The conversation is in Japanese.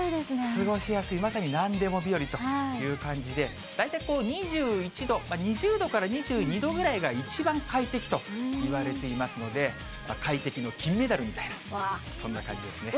過ごしやすい、まさになんでも日和という感じで、大体こう、２１度、２０度から２２度ぐらいが一番快適といわれていますので、快適の金メダルみたいな、そんな感じですね。